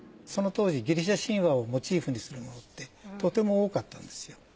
その当時ギリシャ神話をモチーフにするものってとても多かったんですよ。